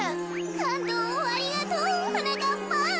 かんどうをありがとうはなかっぱん。